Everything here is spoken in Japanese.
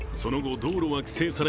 その後、道路は規制され